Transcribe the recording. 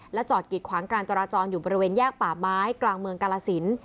จอดกิดขวางการจราจรอยู่บริเวณแยกป่าไม้กลางเมืองกาลสิน